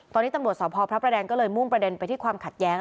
ตอนนี้ตำรวจสพพระประแดงก็เลยมุ่งประเด็นไปที่ความขัดแย้ง